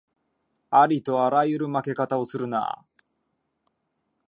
ありとあらゆる負け方をするなあ